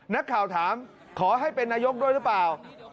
นักข่าวถามขอให้เป็นนายกด้วยหรือเปล่า